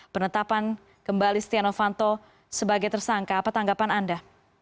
penetapan kembali setia novanto sebagai tersangka apa tanggapan anda